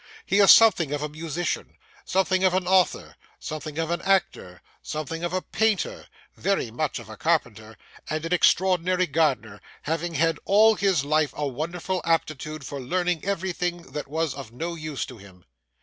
He is something of a musician, something of an author, something of an actor, something of a painter, very much of a carpenter, and an extraordinary gardener, having had all his life a wonderful aptitude for learning everything that was of no use to him.